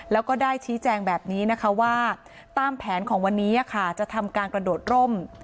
แล้วก็ได้ชี้แจงแบบนี้นะคะว่าตามแผนของวันนี้จะทำการกระโดดร่ม